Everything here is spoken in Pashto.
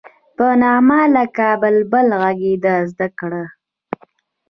په نغمه لکه بلبل غږېدل زده کړه.